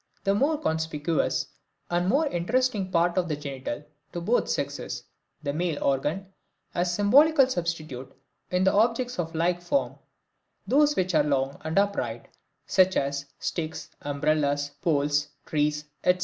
The more conspicuous and more interesting part of the genital to both sexes, the male organ, has symbolical substitute in objects of like form, those which are long and upright, such as sticks, umbrellas, poles, trees, etc.